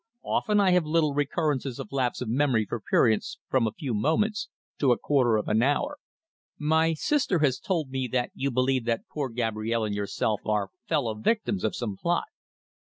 "Often I have little recurrences of lapse of memory for periods from a few moments to a quarter of an hour." "My sister has told me that you believe that poor Gabrielle and yourself are fellow victims of some plot."